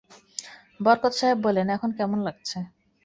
বরকত সাহেব বললেন, এখন কেমন লাগছে?